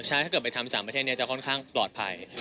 ใช่ถ้าเกิดไปทำ๓ประเทศนี้จะค่อนข้างปลอดภัย